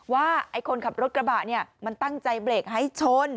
ว่าไอ้คนขับรถกระบะเนี่ยมันตั้งใจเบรกให้ชน